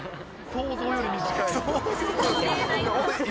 想像より短い。